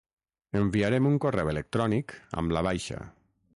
Enviarem un correu electrònic amb la baixa.